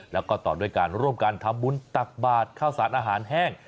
แล้วก็ต่อด้วยการร่วมกันทำบุญตักบาทข้าวสารอาหารแห้ง